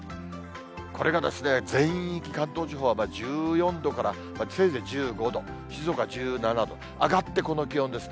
これが全域、関東地方は１４度からせいぜい１５度、静岡は１７度、上がってこの気温ですね。